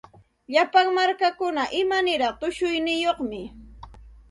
Llapa markakuna imaniraq tushuyniyuqmi.